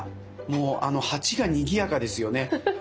もうあの鉢がにぎやかですよね。